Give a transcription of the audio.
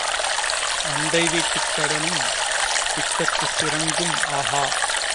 அண்டை வீட்டுக் கடனும் பிட்டத்துச் சிரங்கும் ஆகா.